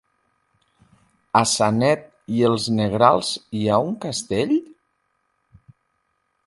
A Sanet i els Negrals hi ha un castell?